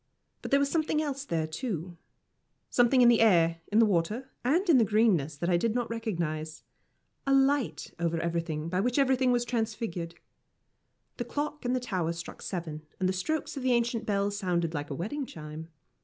But there was something else there, too something in the air, in the water, and in the greenness that I did not recognise a light over everything by which everything was transfigured. The clock in the tower struck seven, and the strokes of the ancient bell sounded like a wedding chime.